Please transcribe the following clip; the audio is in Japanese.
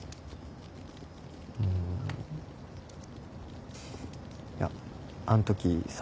うんいやあん時さ。